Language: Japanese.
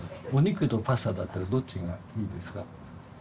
お肉とパスタだったらどっちがいいですか？